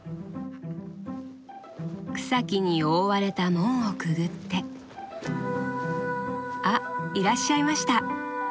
草木に覆われた門をくぐってあっいらっしゃいました。